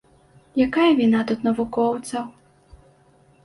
Якая віна тут навукоўцаў?